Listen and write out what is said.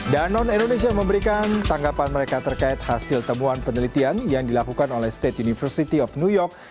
danon indonesia memberikan tanggapan mereka terkait hasil temuan penelitian yang dilakukan oleh state university of new york